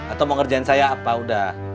atau mau ngerjain saya apa udah